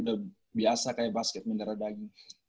udah biasa kayak basket bendera daging